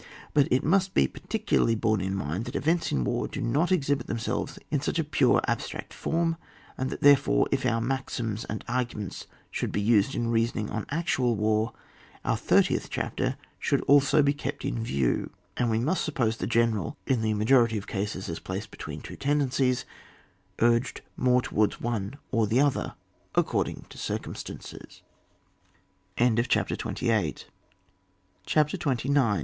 But it must be particularly borne in mind, that events in war do not eidiibit themselves in such a pure abstract form, and that therefore, if our maxims and arguments should be used in reasoning on actual war, our thirtieth chapter should also be kept in view, and we must suppose the general, in the majority of cases, as placed between two tendencies, urged more to wards one or the other, according to cir cumstances. CHAP. ZXIX.] SUCCESSIVE RESISTANCE. 191 CHAPTER XXIX.